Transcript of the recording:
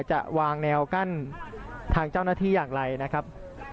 จะวางแนวกั้นทางเจ้าหน้าที่อย่างไรนะครับ